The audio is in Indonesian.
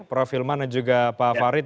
profil mana juga pak farid